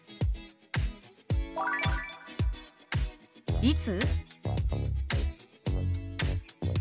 「いつ？」。